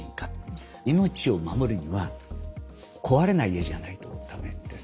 命を守るには壊れない家じゃないと駄目ですね。